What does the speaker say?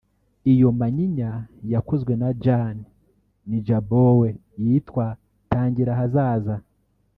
Iyo manyinya yakozwe na Jan Nijboer yitwa “Tangira Ahazaza”